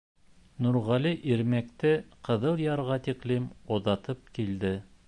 Нурғәле Ирмәкте Ҡыҙыл ярға тиклем оҙатып килде.